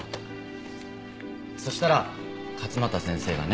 そしたら勝又先生がね。